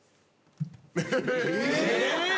え！